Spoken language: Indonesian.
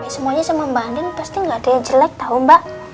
semuanya sama mbak andien pasti gak ada yang jelek tau mbak